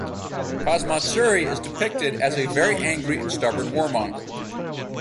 Kazmatsuri is depicted as a very angry and stubborn warmonger.